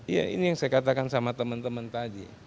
ya ini yang saya katakan sama teman teman tadi